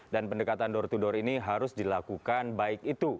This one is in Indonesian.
pendekatan door to door ini harus dilakukan baik itu